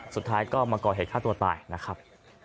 สุดท้ายก็มาก่อเหตุฆ่าตัวตายนะครับ